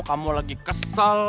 kamu lagi kesel